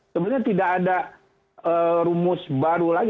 sebenarnya tidak ada rumus baru lagi